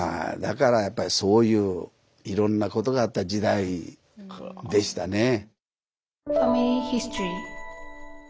だからそういういろんなことがあった時代でしたね。